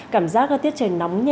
cảm giác là tiết trời nóng nhẹ